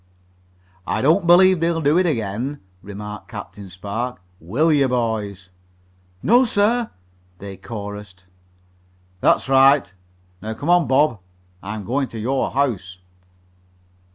"I don't believe they'll do it again," remarked Captain Spark. "Will you, boys?" "No, sir," they chorused. "That's right. Now come on, Bob. I'm going to your house."